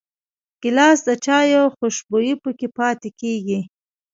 ګیلاس د چايو خوشبويي پکې پاتې کېږي.